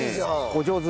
お上手。